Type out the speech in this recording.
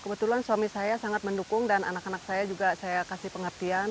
kebetulan suami saya sangat mendukung dan anak anak saya juga saya kasih pengertian